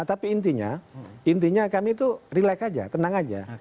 tapi intinya kami itu tenang saja